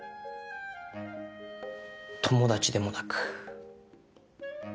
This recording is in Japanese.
友達でもなく。